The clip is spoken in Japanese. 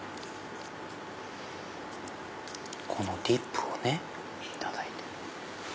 このディップをいただいて。